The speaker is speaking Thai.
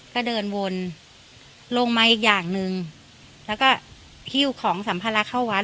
ก็เดินวนลงมาอีกอย่างหนึ่งแล้วก็หิ้วของสัมภาระเข้าวัด